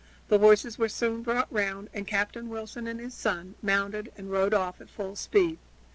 The horses were soon brought round, and Captain Wilson and his son mounted and rode off at full speed.